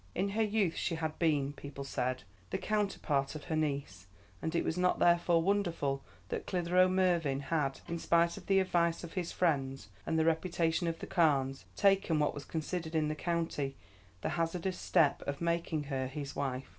In her youth she had been, people said, the counterpart of her niece, and it was not therefore wonderful that Clithero Mervyn had, in spite of the advice of his friends and the reputation of the Carnes, taken what was considered in the county the hazardous step of making her his wife.